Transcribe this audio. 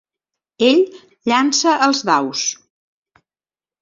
Ell llança els daus.